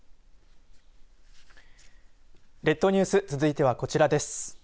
列島ニュース続いてはこちらです。